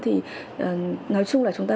thì nói chung là chúng ta